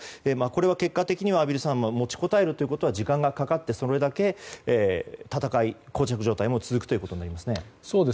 これは結果的には、畔蒜さん持ちこたえるということは時間がかかってそれだけ戦いも、膠着状態が続くということになりますね。